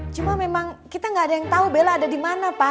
cuma memang kita nggak ada yang tahu bella ada di mana pak